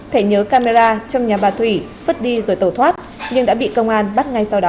thể nhớ camera trong nhà bà thủy vứt đi rồi tẩu thoát nhưng đã bị công an bắt ngay sau đó